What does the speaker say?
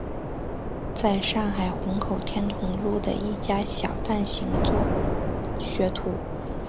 在上海虹口天潼路的一家小蛋行做学徒。